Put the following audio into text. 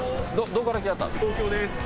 東京です。